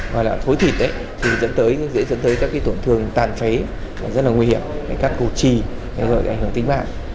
hoặc là thối thịt thì dẫn tới các cái tổn thương tàn phế rất là nguy hiểm các cụ trì gây hưởng tính mạng